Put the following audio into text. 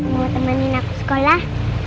mau temenin aku sekolah